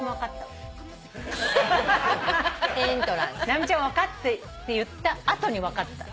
直美ちゃんが「分かった」って言った後に分かった。